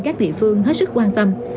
các địa phương hết sức quan tâm